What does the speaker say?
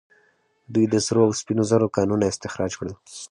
دوی د سرو او سپینو زرو کانونه استخراج کړل